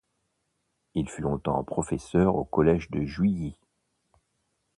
Il fut longtemps professeur au collège de Juilly.